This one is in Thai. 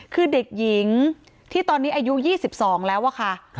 คือเด็กหญิงที่ตอนนี้อายุ๒๒แล้วอะค่ะ